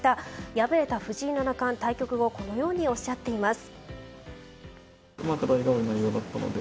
敗れた藤井七冠は対局後にこのようにおっしゃっています。